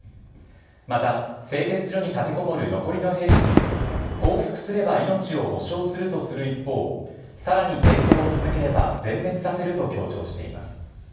また、製鉄所に立てこもる残りの兵士に、降伏すれば命を保証するとする一方、さらに抵抗を続ければ、全滅させると強調しています。